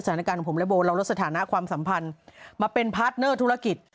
สถานการณ์ของผมและโบเราลดสถานะความสัมพันธ์มาเป็นพาร์ทเนอร์ธุรกิจ